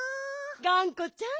がんこちゃん。